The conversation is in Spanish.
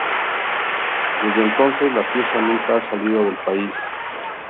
Desde entonces, la pieza nunca ha salido del país.